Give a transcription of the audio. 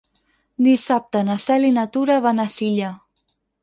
Dissabte na Cel i na Tura van a Silla.